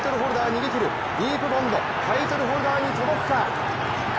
逃げ切る、ディープボンド、タイトルホルダーに届くか？